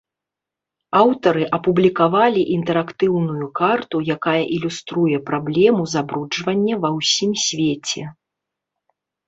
Аўтары апублікавалі інтэрактыўную карту, якая ілюструе праблему забруджвання ва ўсім свеце.